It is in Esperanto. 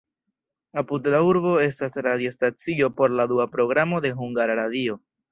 Apud la urbo estas radiostacio por la dua programo de Hungara Radio.